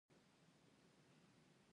آیا د څارویو ځورول منع نه دي؟